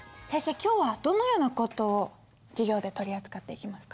今日はどのような事を授業で取り扱っていきますか？